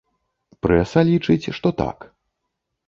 Прэса лічыць, што так.